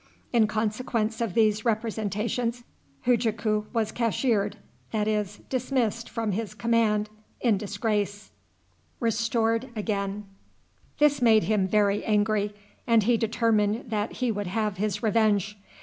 In consequence of these representations Hujaku was cashiered, that is, dismissed from his command in disgrace. This made him very angry, and he determined that he would have his revenge.